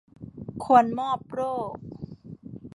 ควรมอบโล่